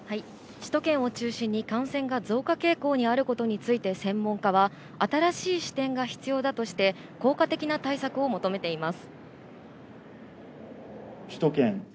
首都圏を中心に感染が増加傾向にあることについて専門家は、新しい視点が必要だとして、効果的な対策を求めています。